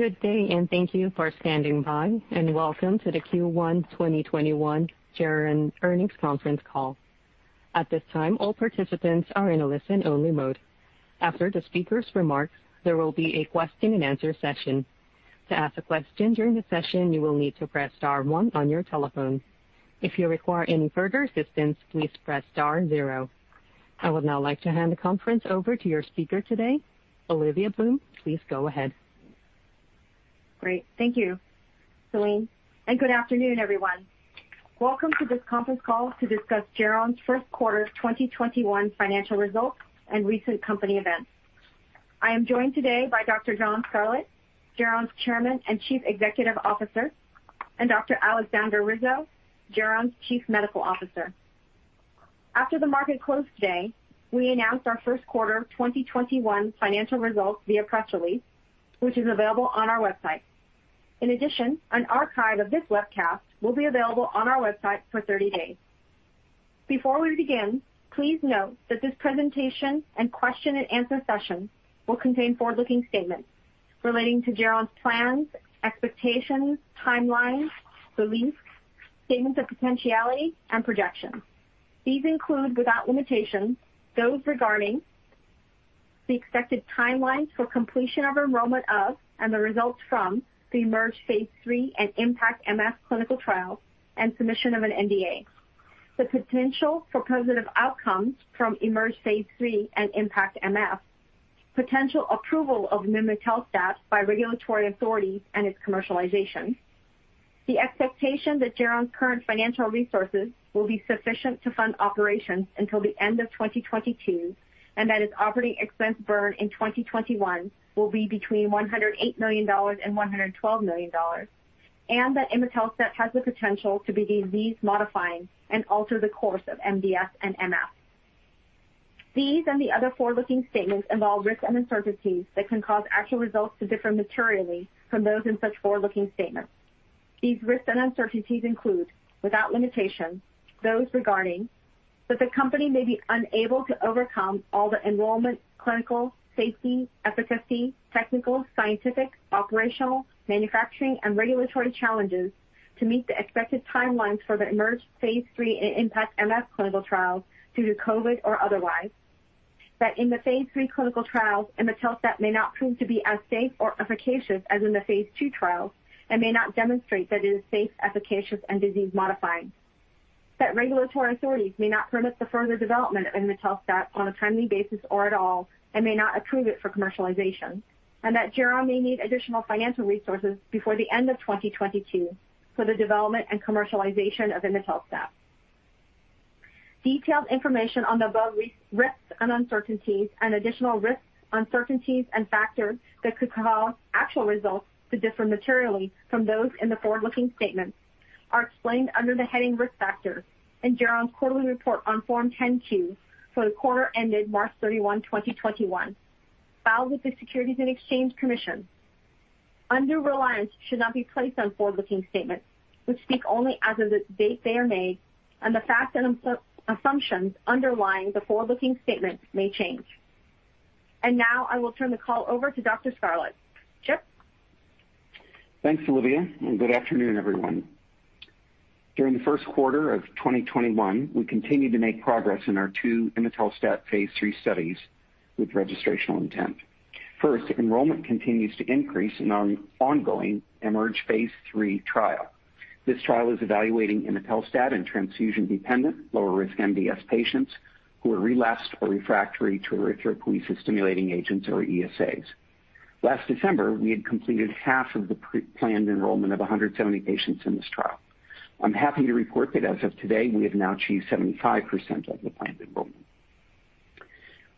Good day, and thank you for standing by, and welcome to the Q1 2021 Share and Earnings Conference Call. At this time, all participants are in a listen-only mode. After the speaker's remarks, there will be a question-and-answer session. To ask a question during the session, you will need to press star one on your telephone. If you require any further assistance, please press star zero. I would now like to hand the conference over to your speaker today, Olivia Bloom. Please go ahead. Great. Thank you, Celine. Good afternoon, everyone. Welcome to this conference call to discuss Geron's 1st quarter 2021 financial results and recent company events. I am joined today by Dr. John Scarlett, Geron's Chairman and Chief Executive Officer, and Dr. Aleksandra Rizo, Geron's Chief Medical Officer. After the market closed today, we announced our 1st quarter 2021 financial results via press release, which is available on our website. In addition, an archive of this webcast will be available on our website for 30 days. Before we begin, please note that this presentation and question-and-answer session will contain forward-looking statements relating to Geron's plans, expectations, timelines, beliefs, statements of potentiality, and projections. These include, without limitations, those regarding the expected timelines for completion of enrollment of and the results from the IMerge phase III and IMpactMF clinical trial and submission of an NDA, the potential for positive outcomes from IMerge phase III and IMpactMF, potential approval of imetelstat by regulatory authorities and its commercialization, the expectation that Geron's current financial resources will be sufficient to fund operations until the end of 2022, and that its operating expense burn in 2021 will be between $108 million-$112 million, and that imetelstat has the potential to be disease-modifying and alter the course of MDS and MF. These and the other forward-looking statements involve risks and uncertainties that can cause actual results to differ materially from those in such forward-looking statements. These risks and uncertainties include, without limitations, those regarding that the company may be unable to overcome all the enrollment, clinical, safety, efficacy, technical, scientific, operational, manufacturing, and regulatory challenges to meet the expected timelines for the IMerge phase III and IMpactMF clinical trials due to COVID or otherwise, that in the phase III clinical trials, imetelstat may not prove to be as safe or efficacious as in the phase II trials and may not demonstrate that it is safe, efficacious, and disease-modifying, that regulatory authorities may not permit the further development of imetelstat on a timely basis or at all and may not approve it for commercialization, and that Geron may need additional financial resources before the end of 2022 for the development and commercialization of imetelstat. Detailed information on the above risks and uncertainties and additional risks, uncertainties, and factors that could cause actual results to differ materially from those in the forward-looking statements are explained under the heading Risk Factors in Geron's quarterly report on Form 10Q for the quarter ended March 31, 2021, filed with the Securities and Exchange Commission. Under-reliance should not be placed on forward-looking statements. We speak only as of the date they are made, and the facts and assumptions underlying the forward-looking statements may change. I will turn the call over to Dr. Scarlett. Thanks, Olivia. Good afternoon, everyone. During the 1st quarter of 2021, we continued to make progress in our two imetelstat phase III studies with registrational intent. First, enrollment continues to increase in our ongoing IMerge phase III trial. This trial is evaluating imetelstat in transfusion-dependent, lower-risk MDS patients who are relapsed or refractory to erythropoiesis-stimulating agents, or ESAs. Last December, we had completed half of the planned enrollment of 170 patients in this trial. I'm happy to report that as of today, we have now achieved 75% of the planned enrollment.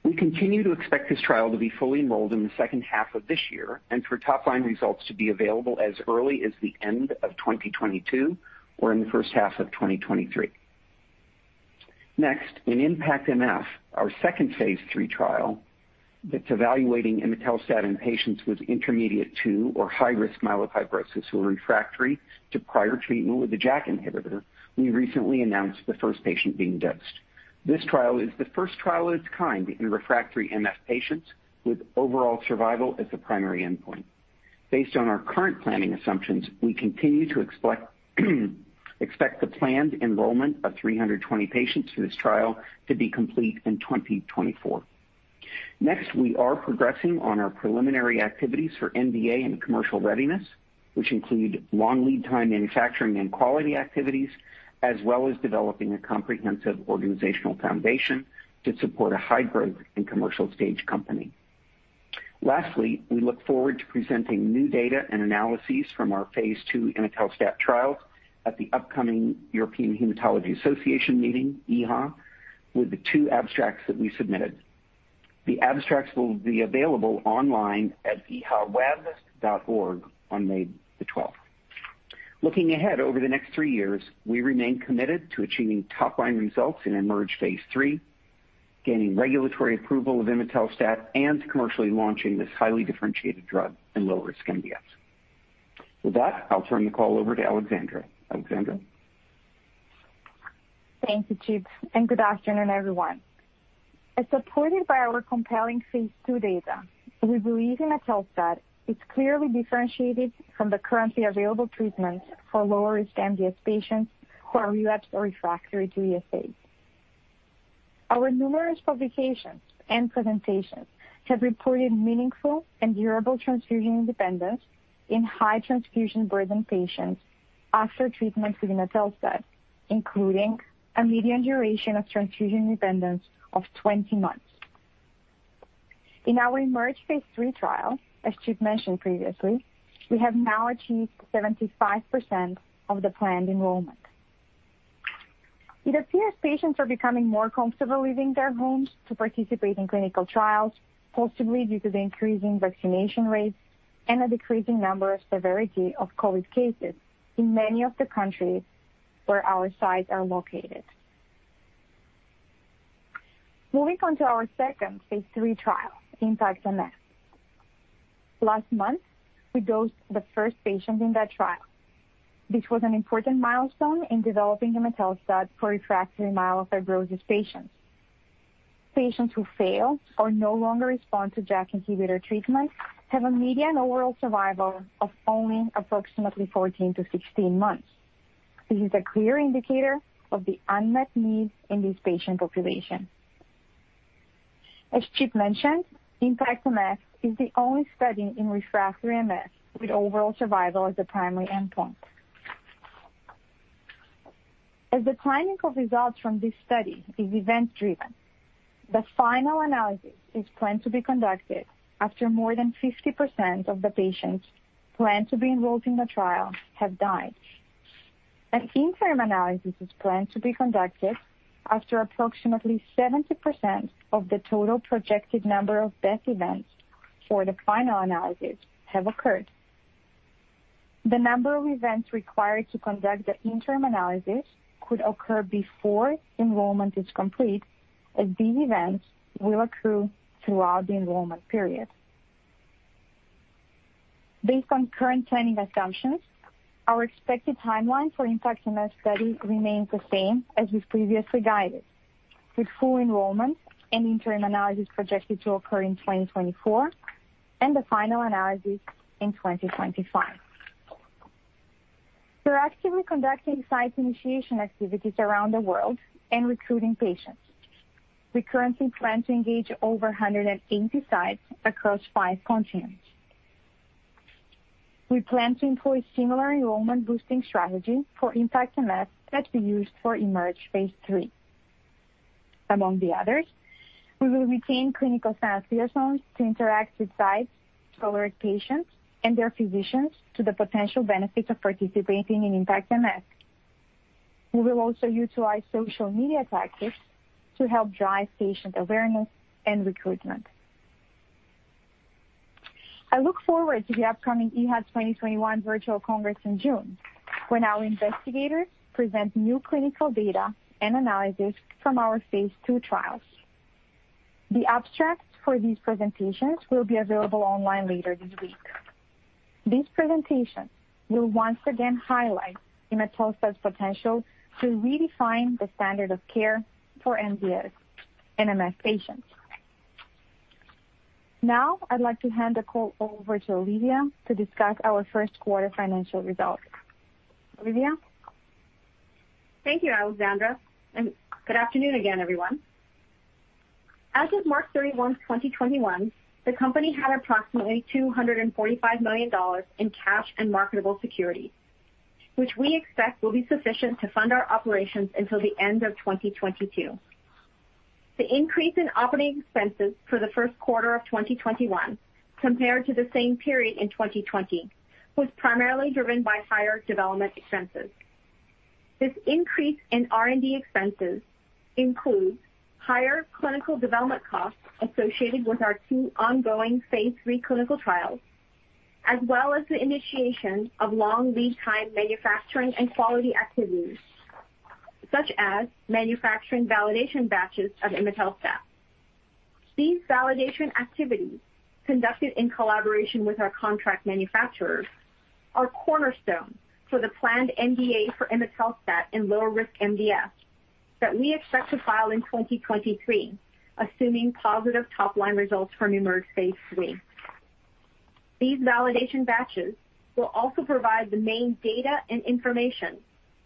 We continue to expect this trial to be fully enrolled in the second half of this year and for top-line results to be available as early as the end of 2022 or in the first half of 2023. Next, in IMpactMF, our second phase III trial that's evaluating imetelstat in patients with intermediate-2 or high-risk MF who are refractory to prior treatment with a JAK inhibitor, we recently announced the first patient being dosed. This trial is the first trial of its kind in refractory MF patients with overall survival as the primary endpoint. Based on our current planning assumptions, we continue to expect the planned enrollment of 320 patients for this trial to be complete in 2024. Next, we are progressing on our preliminary activities for NDA and commercial readiness, which include long lead time manufacturing and quality activities, as well as developing a comprehensive organizational foundation to support a high-growth and commercial-stage company. Lastly, we look forward to presenting new data and analyses from our phase II imetelstat trials at the upcoming European Hematology Association meeting, EHA, with the two abstracts that we submitted. The abstracts will be available online at ehaweb.org on May the 12th. Looking ahead over the next three years, we remain committed to achieving top-line results in IMerge phase III, gaining regulatory approval of imetelstat, and commercially launching this highly differentiated drug in lower-risk MDS. With that, I'll turn the call over to Aleksandra. Aleksandra? Thank you, Chief. Good afternoon, everyone. As supported by our compelling phase II data, we believe imetelstat is clearly differentiated from the currently available treatments for lower-risk MDS patients who are relapsed or refractory to ESAs. Our numerous publications and presentations have reported meaningful and durable transfusion independence in high-transfusion burden patients after treatment with imetelstat, including a median duration of transfusion independence of 20 months. In our IMerge phase III trial, as Chief mentioned previously, we have now achieved 75% of the planned enrollment. It appears patients are becoming more comfortable leaving their homes to participate in clinical trials, possibly due to the increasing vaccination rates and a decreasing number and severity of COVID cases in many of the countries where our sites are located. Moving on to our second phase III trial, IMpactMF. Last month, we dosed the first patient in that trial. This was an important milestone in developing imetelstat for refractory myelofibrosis patients. Patients who fail or no longer respond to JAK inhibitor treatment have a median overall survival of only approximately 14-16 months. This is a clear indicator of the unmet needs in this patient population. As Chief mentioned, IMpactMF is the only study in refractory MF with overall survival as the primary endpoint. As the timing of results from this study is event-driven, the final analysis is planned to be conducted after more than 50% of the patients planned to be enrolled in the trial have died. An interim analysis is planned to be conducted after approximately 70% of the total projected number of death events for the final analysis have occurred. The number of events required to conduct the interim analysis could occur before enrollment is complete, as these events will accrue throughout the enrollment period. Based on current planning assumptions, our expected timeline for IMpactMF study remains the same as we've previously guided, with full enrollment and interim analysis projected to occur in 2024 and the final analysis in 2025. We're actively conducting site initiation activities around the world and recruiting patients. We currently plan to engage over 180 sites across five continents. We plan to employ similar enrollment-boosting strategies for IMpactMF that we used for IMerge phase III. Among the others, we will retain clinical science liaisons to interact with sites, tolerate patients, and their physicians to the potential benefits of participating in IMpactMF. We will also utilize social media tactics to help drive patient awareness and recruitment. I look forward to the upcoming EHA 2021 virtual congress in June when our investigators present new clinical data and analysis from our phase II trials. The abstracts for these presentations will be available online later this week. These presentations will once again highlight imetelstat's potential to redefine the standard of care for MDS and MF patients. Now, I'd like to hand the call over to Olivia to discuss our 1st quarter financial results. Olivia? Thank you, Aleksandra. Good afternoon again, everyone. As of March 31, 2021, the company had approximately $245 million in cash and marketable securities, which we expect will be sufficient to fund our operations until the end of 2022. The increase in operating expenses for the 1st quarter of 2021, compared to the same period in 2020, was primarily driven by higher development expenses. This increase in R&D expenses includes higher clinical development costs associated with our two ongoing phase III clinical trials, as well as the initiation of long lead time manufacturing and quality activities, such as manufacturing validation batches of imetelstat. These validation activities, conducted in collaboration with our contract manufacturers, are cornerstones for the planned NDA for imetelstat in lower-risk MDS that we expect to file in 2023, assuming positive top-line results from IMerge phase III. These validation batches will also provide the main data and information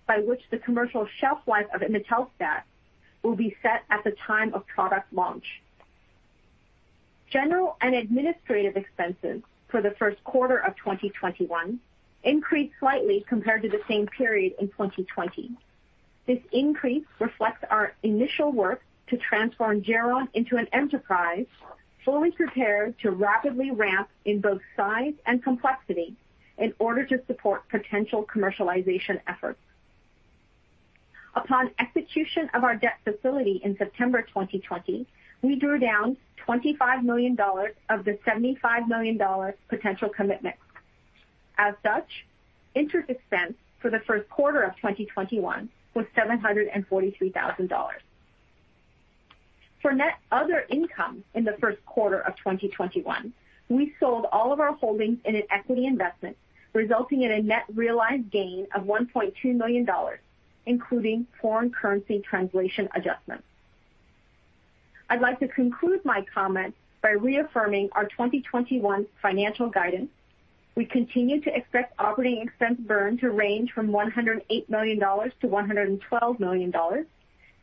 by which the commercial shelf life of imetelstat will be set at the time of product launch. General and administrative expenses for the 1st quarter of 2021 increased slightly compared to the same period in 2020. This increase reflects our initial work to transform Geron into an enterprise fully prepared to rapidly ramp in both size and complexity in order to support potential commercialization efforts. Upon execution of our debt facility in September 2020, we drew down $25 million of the $75 million potential commitment. As such, interest expense for the 1st quarter of 2021 was $743,000. For net other income in the 1st quarter of 2021, we sold all of our holdings in an equity investment, resulting in a net realized gain of $1.2 million, including foreign currency translation adjustments. I'd like to conclude my comments by reaffirming our 2021 financial guidance. We continue to expect operating expense burn to range from $108 million-$112 million.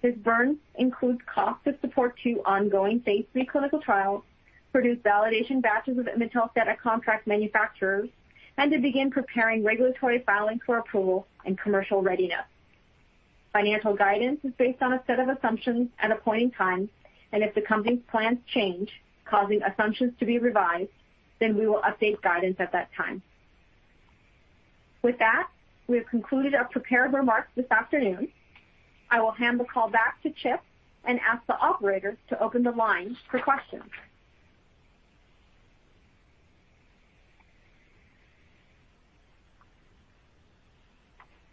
This burn includes costs to support two ongoing phase III clinical trials, produce validation batches of imetelstat at contract manufacturers, and to begin preparing regulatory filings for approval and commercial readiness. Financial guidance is based on a set of assumptions at a point in time, and if the company's plans change, causing assumptions to be revised, then we will update guidance at that time. With that, we have concluded our prepared remarks this afternoon. I will hand the call back to Chip and ask the operators to open the line for questions.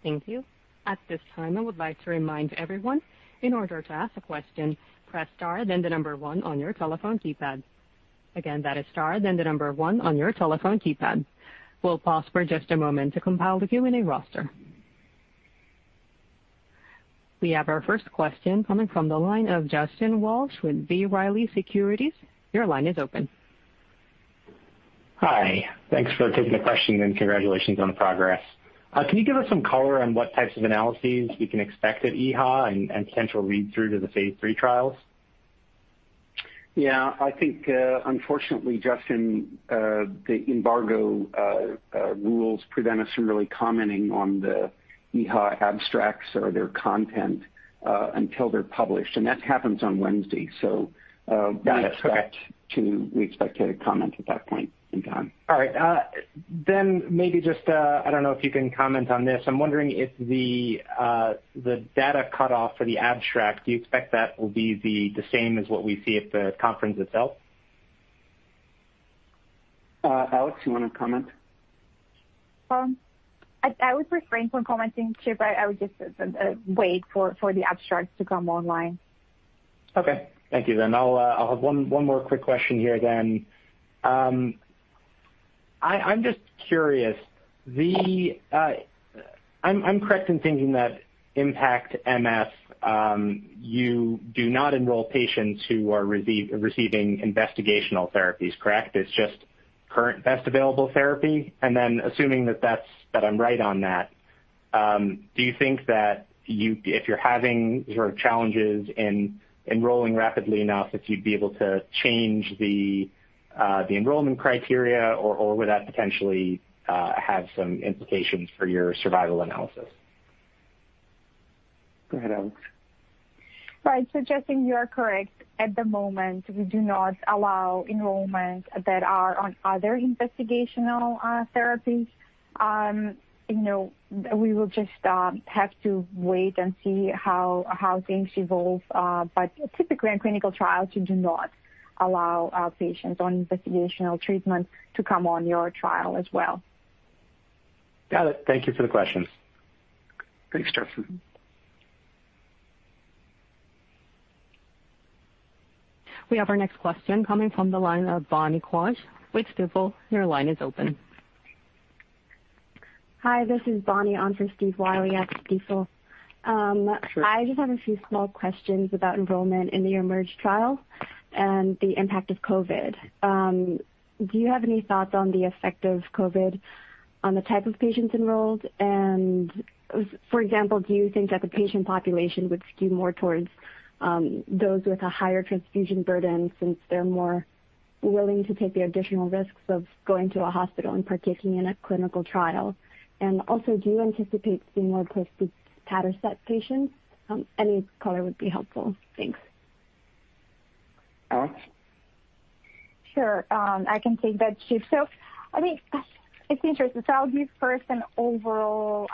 Thank you. At this time, I would like to remind everyone, in order to ask a question, press Star, then the number one on your telephone keypad. Again, that is Star, then the number one on your telephone keypad. We'll pause for just a moment to compile the Q&A roster. We have our first question coming from the line of Justin Walsh with B. Riley Securities. Your line is open. Hi. Thanks for taking the question and congratulations on the progress. Can you give us some color on what types of analyses we can expect at EHA and potential read-through to the phase III trials? Yeah. I think, unfortunately, Justin, the embargo rules prevent us from really commenting on the EHA abstracts or their content until they're published. That happens on Wednesday. We expect to get a comment at that point in time. All right. Maybe just, I don't know if you can comment on this. I'm wondering if the data cutoff for the abstract, do you expect that will be the same as what we see at the conference itself? Alex, do you want to comment? I would refrain from commenting, Chip. I would just wait for the abstracts to come online. Okay. Thank you. I'll have one more quick question here. I'm just curious. I'm correct in thinking that IMpactMF, you do not enroll patients who are receiving investigational therapies, correct? It's just current best available therapy. Assuming that I'm right on that, do you think that if you're having sort of challenges in enrolling rapidly enough, that you'd be able to change the enrollment criteria, or would that potentially have some implications for your survival analysis? Go ahead, Alex. Right. Justin, you are correct. At the moment, we do not allow enrollment that are on other investigational therapies. We will just have to wait and see how things evolve. Typically, in clinical trials, you do not allow patients on investigational treatment to come on your trial as well. Got it. Thank you for the questions. Thanks, Justin. We have our next question coming from the line of Bonnie Quach with Stifel. Your line is open. Hi. This is Bonnie on for Steve Wiley at Stifel. I just have a few small questions about enrollment in the IMerge trial and the impact of COVID. Do you have any thoughts on the effect of COVID on the type of patients enrolled? For example, do you think that the patient population would skew more towards those with a higher transfusion burden since they're more willing to take the additional risks of going to a hospital and partaking in a clinical trial? Also, do you anticipate seeing more post-status patients? Any color would be helpful. Thanks. Alex? Sure. I can take that, Chief. I think it's interesting. I'll give first an overall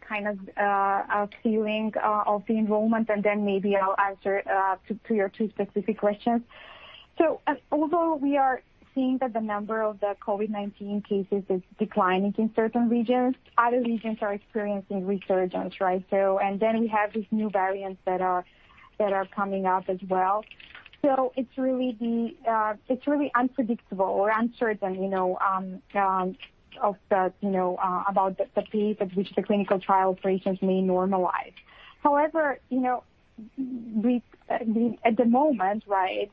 kind of feeling of the enrollment, and then maybe I'll answer two or three specific questions. Although we are seeing that the number of the COVID-19 cases is declining in certain regions, other regions are experiencing resurgence, right? We have these new variants that are coming up as well. It's really unpredictable or uncertain about the pace at which the clinical trial patients may normalize. However, at the moment, right,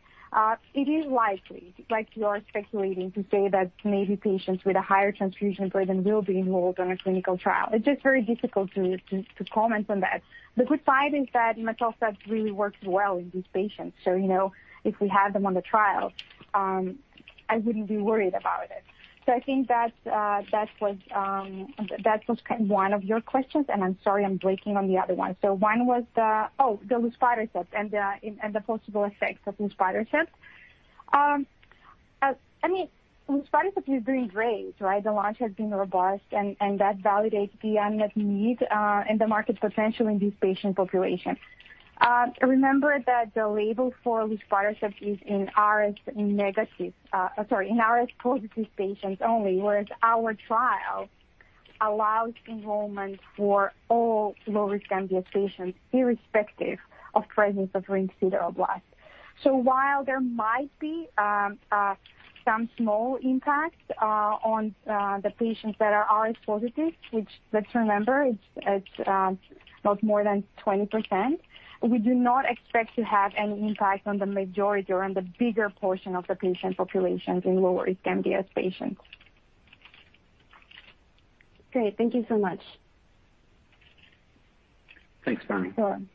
it is likely, like you are speculating, to say that maybe patients with a higher transfusion burden will be enrolled on a clinical trial. It's just very difficult to comment on that. The good side is that MIMA health stats really work well in these patients. If we have them on the trial, I wouldn't be worried about it. I think that was one of your questions. I'm sorry, I'm breaking on the other one. One was the, oh, the Reblozyl steps and the possible effects of Reblozyl steps. I mean, Reblozyl is doing great, right? The launch has been robust, and that validates the unmet need and the market potential in this patient population. Remember that the label for Reblozyl is in RS positive patients only, whereas our trial allows enrollment for all lower-risk MDS patients irrespective of presence of ring sideroblasts. While there might be some small impact on the patients that are RS positive, which let's remember, it's not more than 20%, we do not expect to have any impact on the majority or on the bigger portion of the patient population in low-risk MDS patients. Great. Thank you so much. Thanks, Bonnie. Thank you.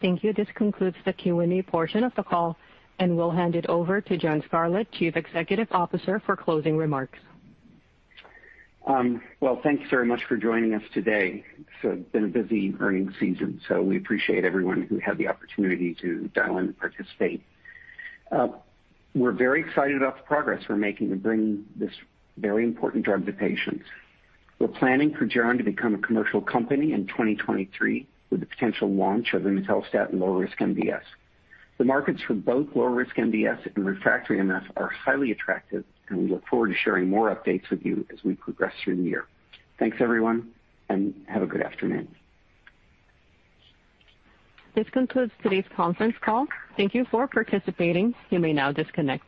Thank you. This concludes the Q&A portion of the call, and we'll hand it over to John Scarlett, Chief Executive Officer, for closing remarks. Thanks very much for joining us today. It's been a busy earnings season, so we appreciate everyone who had the opportunity to dial in and participate. We're very excited about the progress we're making in bringing this very important drug to patients. We're planning for Geron to become a commercial company in 2023 with the potential launch of imetelstat in lower-risk MDS. The markets for both lower-risk MDS and refractory MF are highly attractive, and we look forward to sharing more updates with you as we progress through the year. Thanks, everyone, and have a good afternoon. This concludes today's conference call. Thank you for participating. You may now disconnect.